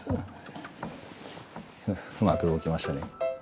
うまく動きましたね。